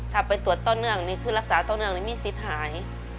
เท่าไปตรวจต้อนเงินก็คือรักษาต้นเนืองก็ไม่มีซิดหาย